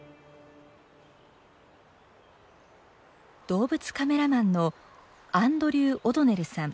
動物カメラマンのアンドリュー・オドネルさん。